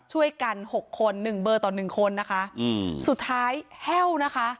หกคนหนึ่งเบอร์ต่อหนึ่งคนนะคะอืมสุดท้ายแห้วนะคะ